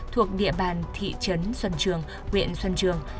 thuộc địa bàn thị trấn xuân trường huyện xuân trường